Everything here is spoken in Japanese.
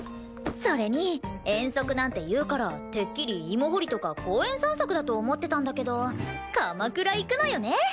それに遠足なんていうからてっきり芋掘りとか公園散策だと思ってたんだけど鎌倉行くのよね！